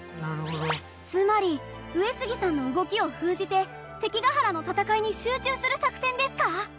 つまり上杉さんの動きを封じて関ヶ原の戦いに集中する作戦ですか？